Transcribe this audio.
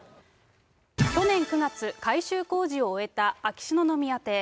去年９月、改修工事を終えた秋篠宮邸。